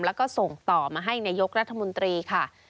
แล้วก็ส่งต่อมาให้นายกรัฐมนตรีค่ะ